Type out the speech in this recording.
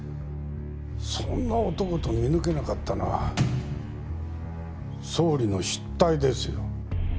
そんな男と見抜けなかったのは総理の失態ですよ